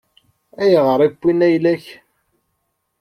Ayɣer i wwin ayla-k?